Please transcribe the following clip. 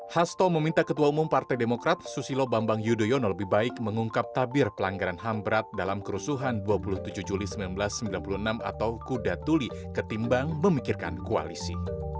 hasto meminta ketua umum partai demokrat susilo bambang yudhoyono lebih baik mengungkap tabir pelanggaran ham berat dalam kerusuhan dua puluh tujuh juli seribu sembilan ratus sembilan puluh enam atau kuda tuli ketimbang memikirkan koalisi